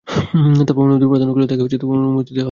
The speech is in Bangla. তারপর অনুমতি প্রার্থনা করলে তাকে অনুমতি দেয়া হয়।